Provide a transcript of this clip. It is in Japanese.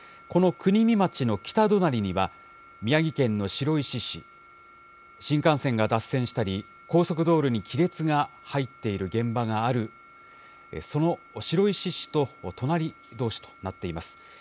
この国見町の北隣には、宮城県の白石市、新幹線が脱線したり、高速道路に亀裂が入っている現場がある、その白石市と隣どうしとなっています。